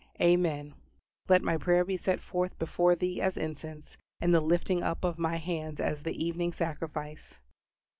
Amen. "LET MY PRAYER BE SET FORTH BEFORE THEE AS INCENSE: AND THE LIFTING UP OF MY HANDS AS THE EVENING SACRIFICE."